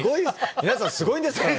皆さんすごいんですからね。